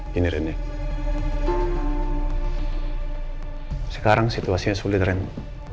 gini randy sekarang situasinya sulit randy